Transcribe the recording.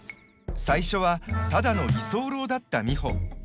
最初はただの居候だった美穂。